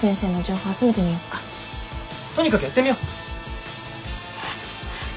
とにかくやってみよ。